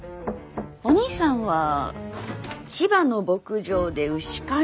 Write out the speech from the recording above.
お兄さんは千葉の牧場で牛飼いの仕事。